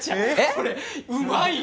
これうまいよ！